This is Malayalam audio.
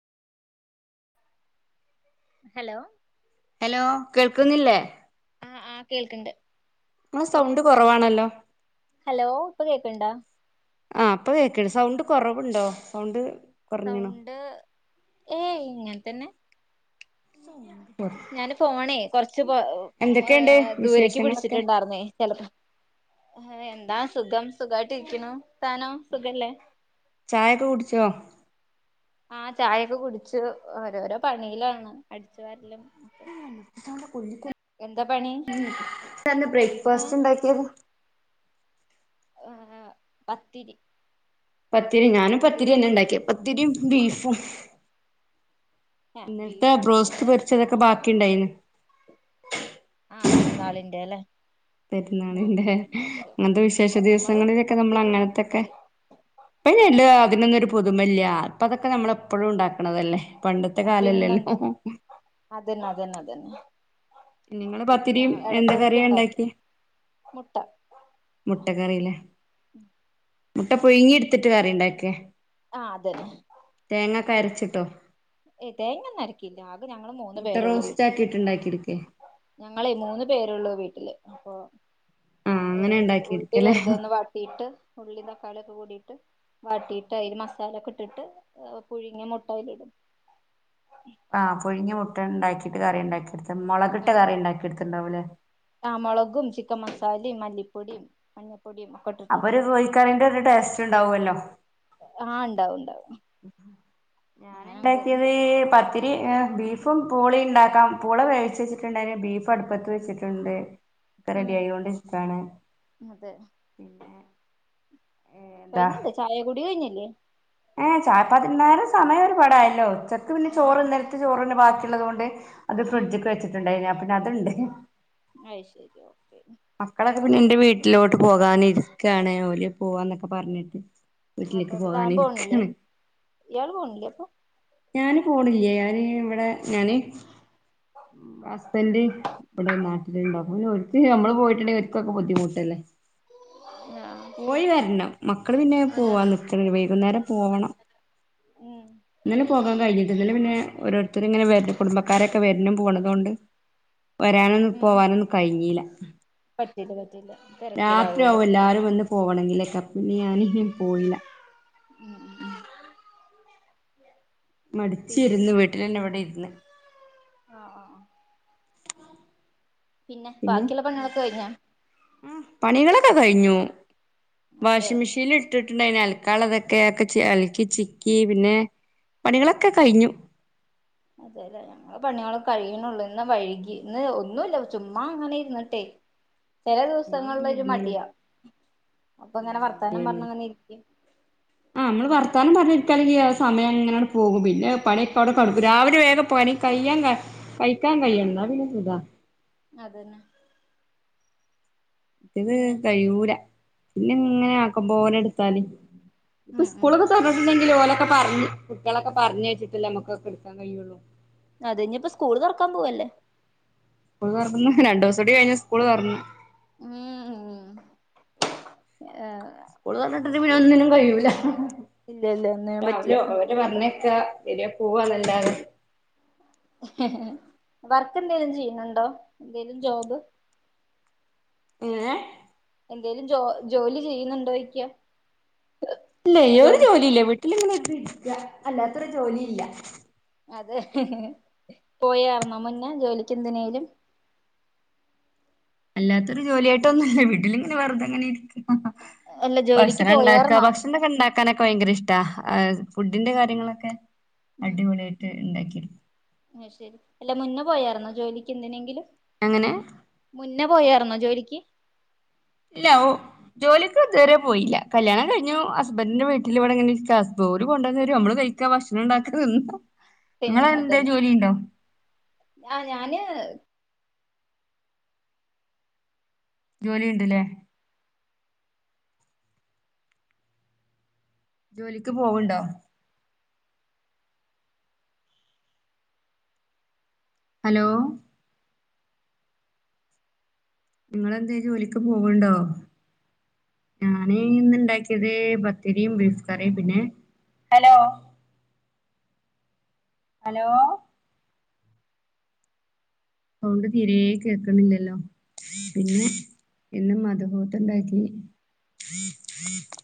ഹലോ ഹലോ കേൾക്കുന്നില്ലേ ആഹ് ആഹ് കേൾക്ക്‌ണ്ട് നിങ്ങളെ സൗണ്ട് പിന്നെ കുറവാണല്ലോ ഹലോ ഇപ്പൊ കേൾക്ക്ണ്ടോ? ആഹ് ഇപ്പൊ കേക്ക്ണ്ട് സൗണ്ട് കൊറവുണ്ടോ സൗണ്ട് കുറഞ്ഞണോ സൗണ്ട് ഏയ് ഇങ്ങനെ തന്നെ [inaudible] ഞാന് ഫോണേ കൊറച്ച് എന്തൊക്കെയുണ്ട് ഏഹ് ദൂരക്ക് വിശേഷങ്ങളൊക്കെ പിടിച്ചിട്ടുണ്ടാർന്നേ [unintelligible] ആഹ് എന്താ സുഖം സുഖായിട്ട് ഇരിക്കുന്നു ർത്താനം സുഖല്ലേ ചായൊക്കെ കുടിച്ചോ? ആഹ് ചായൊക്കെ കുടിചു ഓരോരോ പണിയിലണ് അടിച്ചുവാരല എത്താ പണി ഇന്ന് ഏഹ് ബ്രേക്ക്ഫാസ്റ്റ് ഉണ്ടാക്കിയത് [unintelligible] പത്തിരി പത്തിരി ഞാനും പത്തിരിം പത്തിരിന്നെണ്ടക്കിയ പത്തിരിം ബീഫും ഏഹ് ഇന്നലത്തെ ബീഫാണല്ലോ ബ്രോസ്റ്റ് ഇവിടെ പൊരിച്ചതൊക്കെ നാളെ ബാക്കിണ്ടായിനു ആഹ് പെരുന്നാളിന്റെ ല്ലേ പെരുന്നാളിൻ്റെ ഇങ്ങൻത്തെ വിശേഷ നമ്മള് ദിവസങ്ങളിലൊക്കെ നമ്മൾ പത്തിരി അങ്ങൻത്തൊക്കെ മുട്ടക്കറി ഇപ്പ നെല്ല് അതിനൊന്നും ഒരു പുതുമല്ല അപ്പ അതൊക്കെ നമ്മളപ്പഴും ഉണ്ടാക്ക്ണതല്ലേ ആഹ് പിന്നെന്താ അതന്നെ അതന്നെ അതന്നെ നിങ്ങള് ഞാൻ പത്തിരിയും എന്ത് കറിയാ എടക്കെടക്ക്ണ്ടാക്കും ഉണ്ടാക്കിയെ മുട്ട മുട്ട കറില്ലേ മുട്ട പുഴുങ്ങിട്ത്തിട്ട് കറിണ്ടാക്കേ ആഹ് അതെ പി അരച്ചിട്ടോ എഹ് തേങ്ങന്നരക്കില്ല ആകെ ഞങ്ങള് മൂന്ന് മുട്ട പേരുള്ളു റോസ്റ്റ് വീട്ടില് ആക്കിട്ട് ഉണ്ടാക്കിയെടുക്കേ ഞങ്ങളെയ് മൂന്ന് പേരുള്ളൂ വീട്ടില് അപ്പൊ ആഹ് അങ്ങനെ ഏഹ് ഉള്ളി ഉണ്ടാക്കിയെടുക്കല്ലേ വെർതൊന്ന് വാട്ടിയിട്ട് ഉള്ളി തക്കാളിയൊക്കെ കൂടിട്ട് വാട്ടിയി ടയില് മസാലൊക്കെ ഇട്ടിട്ട് പുഴുങ്ങിയ മുട്ട അയ്ലിടും ആഹ് പുഴുങ്ങിയ മുട്ടണ്ടാക്കിയിട്ട് കറി ഉണ്ടാക്കിയെടുത്ത് മൊളകിട്ട കറിണ്ടാക്കിയെടുത്തിണ്ടാവൂലേ ആഹ് മൊളകും ചിക്കൻ മസാലിം മല്ലിപ്പൊടിം മഞ്ഞപ്പൊടിം അപ്പൊരു കോഴിക്കറിന്റെ ഒരു ടേസ്റ്റ്ണ്ടാവുല്ലോ ആഹ് ണ്ടാവും ണ്ടാവും ഞാന്ണ്ടാക്കിയത് പ ത്തിരി ബീഫും പൂളീം ഉണ്ടാക്കാം പൂള വേവിച്ചച്ചിട്ടുണ്ടായിന് ബീഫ് അടുപ്പത്ത് വെച്ചിട്ടുണ്ട് [unintelligible] റെഡി ഉം ആയോണ്ട് ഇരിക്കാണ് അതെ കൈഞ്ഞില്ലേ ചായ കുടി കൈഞ്ഞില്ലേ ഏഹ് ചായപ്പാ [unintelligible] നേരം സമയൊരു പാടായല്ലോ ഉച്ചക്ക് പിന്നെ ആ ചോറ് ഇന്നേൽത്ത ചോറന്നെ ബാക്കിയുള്ളതോണ്ട് അത് ഉം ഫ്രിഡ്ജ്ക്ക് വെച്ചിട്ടുണ്ടായിന് അപ്പ പിന്നെ അത്ണ്ട് അയ് ശരി ഓക്കെ മക്കളൊക്കെ പിന്നെ ന്റെ വീട്ടിലോട്ട് പോകാനിരിക്കാണ് ഓല് പോവാന്നൊക്കെ പറഞ്ഞി അപ്പ പ്പ താൻ പോണ്ല്ലേ? ഇയാള് പോണ്ല്ലേ അപ്പൊ? ഞാന് പോണില്ലേ. ഞാന് വ്ടെ ഞാന്. ഹസ്ബന്റ് വടെ നാട്ട്ല്ണ്ട്. അപ്പൊ പിന്നെ ഓൽക്ക് ഞമ്മള് പോയിട്ട്ണ്ടെങ്കി ഓര്ക്കൊക്കെ ബുദ്ധിമുട്ടല്ലേ. ആഹ് പോയി വര്നം. മക്കള് പിന്നെ അതെ പോവാ അതെ നിക്ക്ണ്. വൈകുന്നേരം പോവണം. ഉം ന്നലെ പോകാ കയ്ഞ്ഞ്. [unintelligible] ന്നലെ പിന്നെ ഓരോരുത്തര്ങ്ങനെ വര് കുടുംബക്കാരൊക്കെ വര്നും പോണതോണ്ട്. വരാനൊന്നും ഉം പോവാനൊന്നും കയ്ഞ്ഞീല. പറ്റില്ല പറ്റില്ല. രാത്രിയാവും തിരക്കിലാവൂലോ എല്ലാരും വന്ന് പോവണെങ്കിലൊക്കെ. അപ്പൊ പിന്നെ ഞാന് [unintelligible] പോയില. ഉം. ഉം പിന്നെ മടിച്ചിര്ന്ന്. വീട്ടിലെന്നെ വടെ ഇര്ന്ന്. ആഹ് ആഹ് ആഹ് പിന്നെ ബാക്കിള്ള പണികളൊക്കെ കയ്ഞ്ഞോ? പണികളൊക്കെ കഴിഞ്ഞു. അതെ വാഷിംഗ് മിഷീൻല് ട്ട്ട്ട്ണ്ടെയ്നു അൽക്കാള്ളതൊക്കെ. അഒക്കെ അൽക്കി ചിക്കി. പിന്നെ പണികളൊക്കെ കയ്ഞ്ഞു. അതെ ലെ. പണികള് കഴിയ്ണൊള്ളൂ. ഇന്ന് വഴ്‌കി. ഇന്ന് ഒന്നുല്ല. ചുമ്മാ അങ്ങനെ ഇരുന്നിട്ടെ. ചെല ചുമ്മാ അങ്ങനെ ദിവസങ്ങളിലൊരു ഇരുന്നുല്ലേ മടിയാ. അപ്പൊ ആ ങ്ങനെ വർത്താനം മടിയാണ് പർഞ്ഞ്ങ്ങനെ ഇര്ക്കും. ആ മ്മള് വർത്താനം പറഞ്ഞിരിക്കാണെങ്കി ആ സമയങ്ങനണ് പോകും. പിന്നെ പണിഒക്കെ അവുടെ കട്ക്കും. രാവിലെ വേഗം പണി [unintelligible] കയിക്കാൻ കയ്യണം. ന്നാ പിന്നെ സുഖാ. അതെന്നെ. ന്നത് പിന്നെ കഴൂല. പിന്നെങ്ങനെ ആക്കമ്പോലെട്ത്താല്. പ്പൊ ഉം ഉം സ്കൂളൊക്കെ തൊർന്ന്ട്ട്ണ്ടെങ്കില് ഓലൊക്കെ പറഞ് കുട്ട്യാളക്കെ പർഞ്ഞേച്ച്ട്ടല്ലെ അമ്മക്കൊക്കെട്ക്കാൻ കയ്യുള്ളു. അതെ ഇഞ്പ്പൊ സ്കൂള് തൊറക്കാൻ പോവല്ലേ. സ്കൂള് തൊറന്ന്. രണ്ടൂസൂടി കഴിഞ്ഞ സ്കൂള് തൊറന്ന്. ഉം ഉം ആഹ്. സ്കൂള് തൊർന്ന്ട്ട്ണ്ടെ പിന്നൊന്നിനും കയ്യൂല. ഇല്ല ഇല്ല ഒന്നിനും പറ്റില്ല രാവിലെ [unintelligible] പറഞ്ഞേക്കാ, വര് പോവാ ന്നല്ലാതെ. വർക്കെന്തേലും ചെയ്യ്ണണ്ടോ? എന്തേലും ജോബ്? എങ്ങനെ? എന്തേലും ജോ ജോലി ചെയ്യ്ന്ന്ണ്ടോയ്ക്ക? ല്ലേയ്. ഒരു ജോലി ഇല്ല. വീട്ടില്ങ്ങനെ ഇരിക്കാ അല്ലാത്തൊരു ജോലി ഇല്ല. അതെ. പോയാർന്നോ മുന്നേ ജോലിക്കെന്തിനേലും? അല്ലാത്തൊരു ജോലിയായിട്ടൊന്നുല്ല. വീട്ടിലിങ്ങനെ വെറുതെങ്ങനെ ഇരിക്ക. അല്ല ജോലിക്ക് ഭക്ഷണം ണ്ടാക്കാ. പോയാർന്നോ ഭക്ഷണ ണ്ടാക്കാനൊക്കെ ഭയങ്കര ഇഷ്ട. ഫുഡിന്റെ കാര്യങ്ങളൊക്കെ അടിപൊളിയ്ട്ട്. ട്ട് ണ്ടാക്കി. അയ് ശരി. അല്ല മുന്നെ പോയാർന്നോ ജോലിക്ക് എന്തിനെങ്കിലും? എങ്ങനെ? മുന്നേ പോയാർന്നോ ജോലിക്ക്? ഇല്ല. ഒ ജോലിക്ക്തുവരെ പോയീല്ല. കല്യാണം കഴിഞ്ഞു. ഹസ്ബന്റ്ന്റെ വീട്ടില് ഇവടെങ്ങനെ ഇരിക്ക. ഓല് കൊണ്ടന്നരും അമ്മള് കഴി ക്ക ഭക്ഷണണ്ടാക്ക തിന്നാ പിന്നെ നിങ്ങളെന്തേ അതന്നെ. ജോലിയുണ്ടോ ആഹ് ഞാന് ജോലിണ്ട്ല്ലേ? ജോലിക്ക് പോവ്ണ്ടോ? ഹലോ. ഇങ്ങളെന്തേം ജോലിക്ക് പോവ്ണ്ടോ? ഞാന് ഇന്ന്ണ്ടാക്കിയത് പത്തിരിം ബീഫ് കറി. പിന്നെ ഹലോ ഹലോ സൗണ്ട് തീരെ കേക്കണില്ലല്ലോ പിന്നെ പിന്നെ മദ്ഹൂത്ത് ഉണ്ടാക്കി